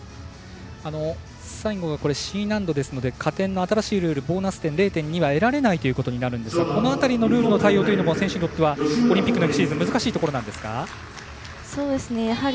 最後、Ｃ難度ですので加点が新しいルールボーナス点の０．２は得られないということになるんですがこの辺りのルールの対応というのも選手にとってはオリンピックのシーズン難しいことなんですか。